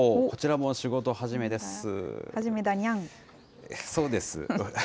こちらも仕事始めです。